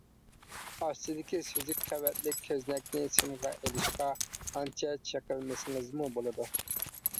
ئاستىدىكى سۈزۈك قەۋەتلىك كۆزنەكنى سىنغا ئېلىشقا ئانچە چېقىلمىسىڭىزمۇ بولىدۇ.